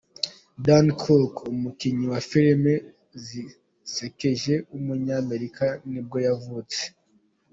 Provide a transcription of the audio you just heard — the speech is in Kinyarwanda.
Dane Cook, umukinnyi wa filime zisekeje w’umunyamerika nibwo yavutse.